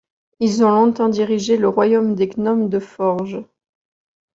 Ils ont longtemps dirigé le Royaume des Gnomes de forge.